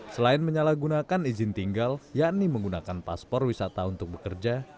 selain menyalahgunakan izin tinggal yakni menggunakan paspor wisata untuk bekerja